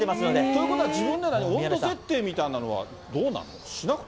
ということは、自分で温度設定みたいなのはどうなの？